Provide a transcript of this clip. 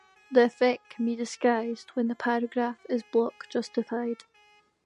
The effect can be disguised when the paragraph is block justified.